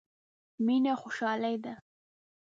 مينه خوشالي ده.